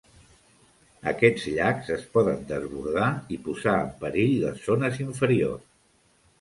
Aquests llacs es poden desbordar i posar en perill les zones inferiors.